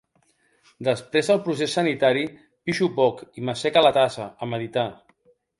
Després del procés sanitari pixo poc i m'assec a la tassa, a meditar.